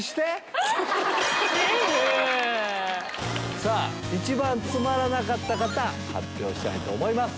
さぁ一番つまらなかった方発表したいと思います。